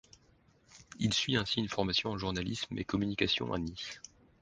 Il suit ainsi une formation en journalisme et communication à Nice.